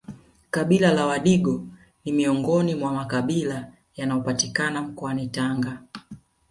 Kabila la wadigo ni miongoni mwa makabila yanayopatikana mkoani Tanga